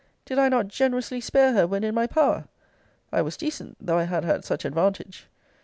Did I not generously spare her, when in my power? I was decent, though I had her at such advantage.